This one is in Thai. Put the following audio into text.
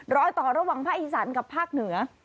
รอยต่อระหว่างภาคอีสานกับภาคเหนือ